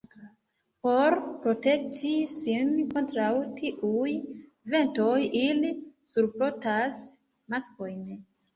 Por protekti sin kontraŭ tiuj ventoj, ili surportas maskojn.